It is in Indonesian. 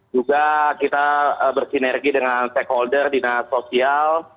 juga kita bersinergi dengan stakeholder di dalam sosial